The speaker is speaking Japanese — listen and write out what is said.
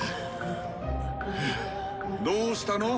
どうしたの？